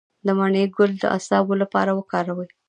د مڼې ګل د اعصابو لپاره وکاروئ